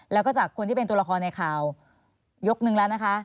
แล้วก็จากคนที่เป็นตัวละครในข่าวยกนึงแล้วนะคะ